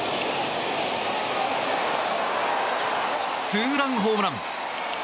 ツーランホームラン。